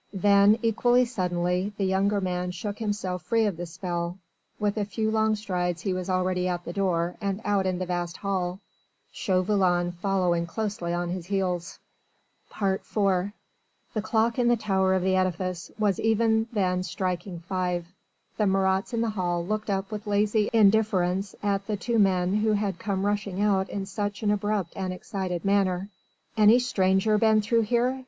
Then equally suddenly the younger man shook himself free of the spell; with a few long strides he was already at the door and out in the vast hall; Chauvelin following closely on his heels. IV The clock in the tower of the edifice was even then striking five. The Marats in the hall looked up with lazy indifference at the two men who had come rushing out in such an abrupt and excited manner. "Any stranger been through here?"